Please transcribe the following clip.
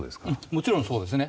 もちろん、そうですね。